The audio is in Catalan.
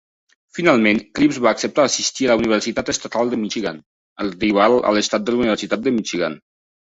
Finalment, Cleaves va acceptar assistir a la Universitat Estatal de Michigan, el rival a l'estat de la Universitat de Michigan.